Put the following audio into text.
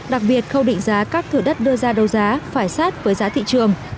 đặc biệt khâu định giá các thửa đất đưa ra đấu giá phải sát với giá thị trường